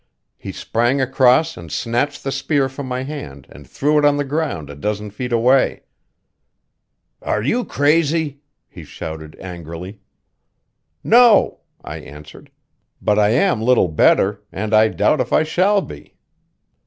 He sprang across and snatched the spear from my hand and threw it on the ground a dozen feet away. "Are you crazy?" he shouted angrily. "No," I answered; "but I am little better, and I doubt if I shall be.